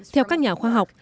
theo các nhà khoa học